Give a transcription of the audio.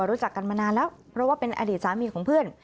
รู้จักกันมานานแล้วเพราะว่าเป็นอดีตสามีของเพื่อน